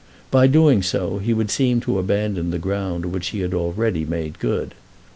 By doing so, he would seem to abandon the ground which he had already made good.